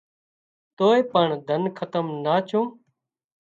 توئي پڻ ڌنَ کتم نا ڇُون